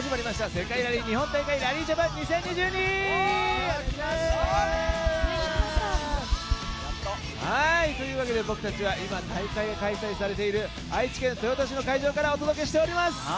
世界ラリー日本大会ラリージャパン２０２２。というわけで僕たちは今、大会が開催されている愛知県豊田市の会場からお届けしております。